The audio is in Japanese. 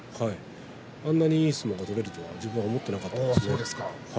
あのようにいい相撲が取れるとは自分は思っていませんでした。